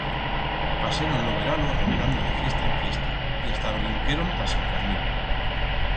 Paseron lo verano rondando de fiesta en fiesta y hasta brinqueron ta Sant Fermín.